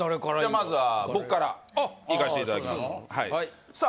まずは僕からいかせていただきますさあ